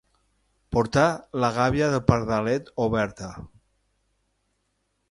Portar la gàbia del pardalet oberta.